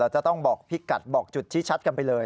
จะต้องบอกพี่กัดบอกจุดชี้ชัดกันไปเลย